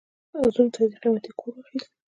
زوم ته دې قيمتي کور واخيست.